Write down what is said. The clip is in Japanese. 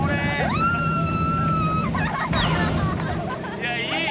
いやいい！